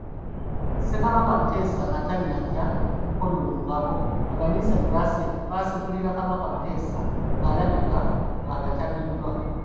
Ssekabaka Mutesa nga tannaggya mukono mu ngabo, Abamisani baasegulira Kabaka Mutesa ng'alabika ng'abatamiddwa.